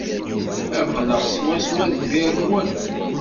Aql-aɣ swaswa deffir-wen.